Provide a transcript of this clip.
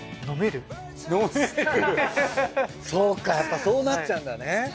飲めるそうかやっぱそうなっちゃうんだね。